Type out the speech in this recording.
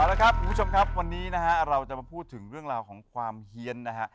แล้วครับคุณผู้ชมครับวันนี้นะฮะเราจะมาพูดถึงเรื่องราวของความเฮียนนะฮะ